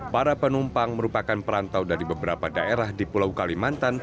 para penumpang merupakan perantau dari beberapa daerah di pulau kalimantan